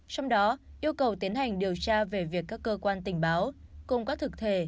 trong đó yêu cầu tiến hành điều tra về việc các cơ quan tình báo cùng các thực thể